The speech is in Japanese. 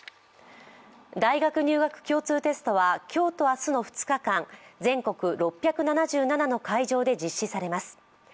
大学入学共通テストは今日と明日の２日間、全国６７７の会場で実施されます。